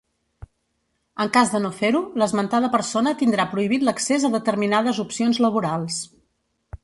En cas de no fer-ho, l'esmentada persona tindrà prohibit l'accés a determinades opcions laborals.